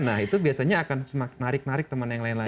nah itu biasanya akan narik narik teman yang lain lain